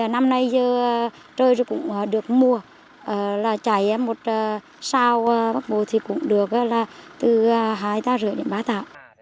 năm nay trời cũng được mùa chảy một sao bắt buồn thì cũng được từ hai năm đến ba tạ